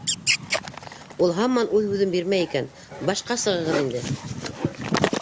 Ул һаман үҙ һүҙен бирмәй икән, башҡа сығығыҙ инде.